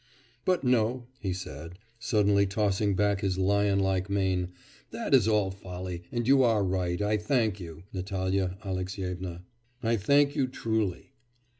'But no,' he said, suddenly tossing back his lion like mane, 'that is all folly, and you are right. I thank you, Natalya Alexyevna, I thank you truly.